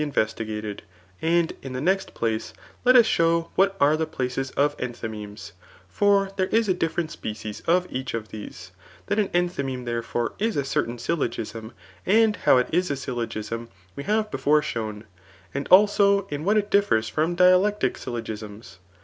investigated; and in the next place, let us show what are .the places of enthymemes j for there is a different species of each of these That an enthymeme, therefore, is a cen^ia syj logism, and how it is a syllogism, we have befoie shown; and also in what it differs from dialectic syllo^ gisms.